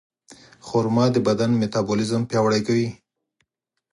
خرما د بدن میتابولیزم پیاوړی کوي.